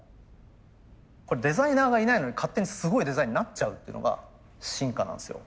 これデザイナーがいないのに勝手にすごいデザインになっちゃうっていうのが進化なんですよ。